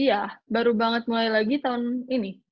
iya baru banget mulai lagi tahun ini